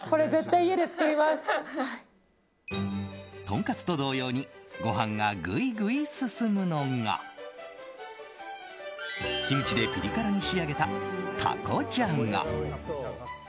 とんかつと同様にご飯がぐいぐい進むのがキムチでピリ辛に仕上げたたこじゃが。